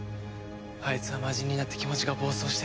あいつは魔人になって気持ちが暴走してる。